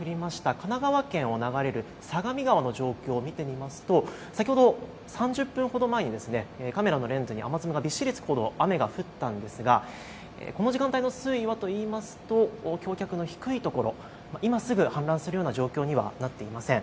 神奈川県を流れる相模川の状況を見てみますと先ほど３０分ほど前にカメラのレンズに雨粒がびっしりつくほど雨が降ったんですがこの時間帯の水位は橋脚の低いところ、今すぐ氾濫するような状況にはなっていません。